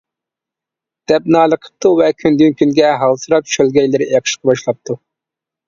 -دەپ نالە قىپتۇ ۋە كۈندىن-كۈنگە ھالسىراپ، شۆلگەيلىرى ئېقىشقا باشلاپتۇ.